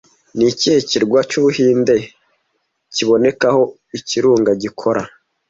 Ni ikihe kirwa cy'Ubuhinde kibonekaho ikirunga gikora